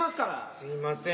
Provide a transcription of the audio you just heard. すみません。